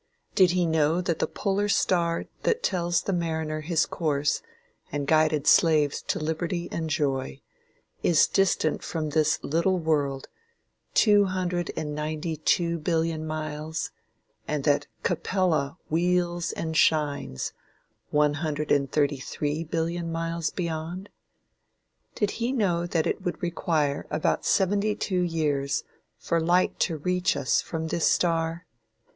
Did he know that the Polar star that tells the mariner his course and guided slaves to liberty and joy, is distant from this little world two hundred and ninety two billion miles, and that Capella wheels and shines one hundred and thirty three billion miles beyond? Did he know that it would require about seventy two years for light to reach us from this star?